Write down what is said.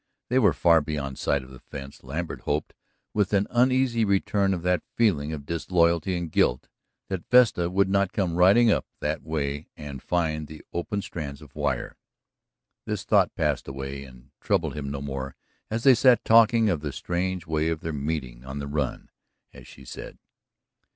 They were far beyond sight of the fence. Lambert hoped, with an uneasy return of that feeling of disloyalty and guilt, that Vesta would not come riding up that way and find the open strands of wire. This thought passed away and troubled him no more as they sat talking of the strange way of their "meeting on the run," as she said.